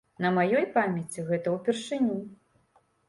На маёй памяці гэта ўпершыню.